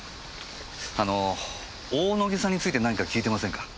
あの大野木さんについて何か聞いてませんか？